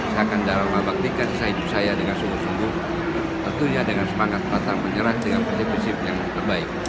saya akan darah membaktikan hidup saya dengan sungguh sungguh tentunya dengan semangat batang menyerah dengan prinsip prinsip yang terbaik